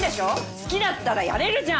好きだったらやれるじゃん！